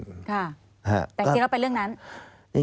แต่จริงแล้วเป็นเรื่องนั้น